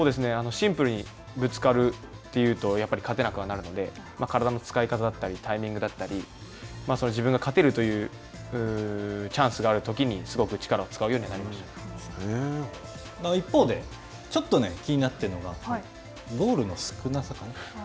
シンプルにぶつかるというとやっぱり勝てなくなるので体の使い方だったり、タイミングだったり自分が勝てるというチャンスがあるときにすごく力を使うようにはなりまし一方で、ちょっと気になっているのがゴールの少なさかな。